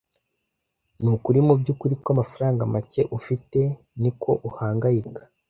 Nukuri mubyukuri ko amafaranga make ufite, niko uhangayika.